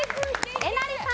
えなりさん。